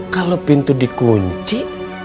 kalau pintu dikunci